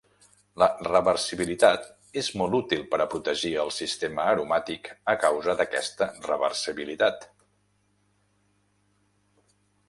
La reversibilitat és molt útil per a protegir el sistema aromàtic a causa d'aquesta reversibilitat.